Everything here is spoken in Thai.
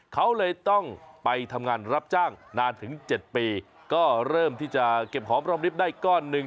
เขาเลยต้องไปทำงานรับจ้างนานถึง๗ปีก็เริ่มที่จะเก็บหอมรอมริบได้ก้อนหนึ่ง